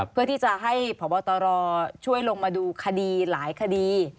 เพื่อที่จะให้พบตรช่วยลงมาดูคดีหลายคดี